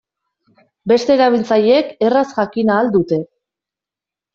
Beste erabiltzaileek erraz jakin ahal dute.